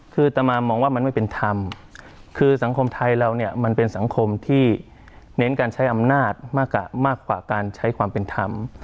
คือต่อมามองว่ามันไม่เป็นธรรมคือสังคมไทยเราเนี่ยมันเป็นสังคมที่เน้นการใช้อำนาจมากกว่าการใช้ความเป็นธรรม